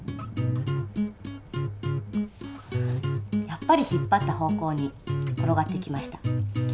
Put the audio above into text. やっぱり引っぱった方向に転がってきました。